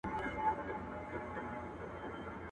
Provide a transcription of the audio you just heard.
مځکه ئې سره کړه، د پلانۍ ئې پر شپه کړه.